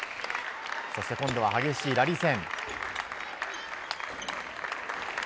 そして今度は激しいラリー戦。